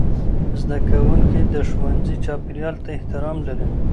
زدهکوونکي د ښوونځي چاپېریال ته احترام لري.